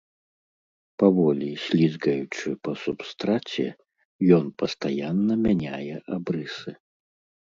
Паволі слізгаючы па субстраце, ён пастаянна мяняе абрысы.